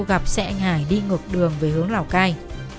gặp xe anh hải đi ngược đường về hướng lào cai